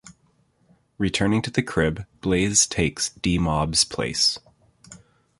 Returning to the crib, Blaze takes D-Mob's place.